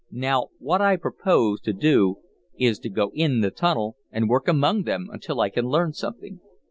Now what I propose to do is to go in the tunnel and work among them until I can learn something.